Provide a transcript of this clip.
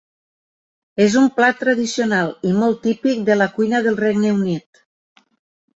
És un plat tradicional i molt típic de la cuina del Regne Unit.